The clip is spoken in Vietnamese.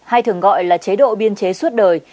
hay thường gọi là chế độ biên chế suốt đời